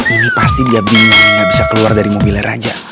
ini pasti dia bingung gak bisa keluar dari mobilnya raja